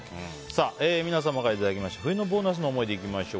皆さんからいただきました冬のボーナスの思い出いきましょう。